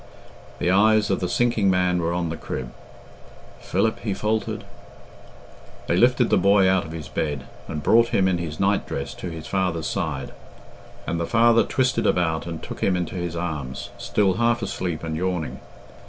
The eyes of the sinking man were on the crib. "Philip," he faltered. They lifted the boy out of his bed, and brought him in his night dress to his father's side; and the father twisted about and took him into his arms, still half asleep and yawning.